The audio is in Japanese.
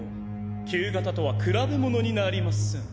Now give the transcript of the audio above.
旧型とは比べものになりません。